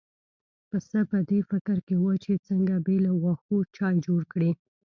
پسه په دې فکر کې و چې څنګه بې له واښو چای جوړ کړي.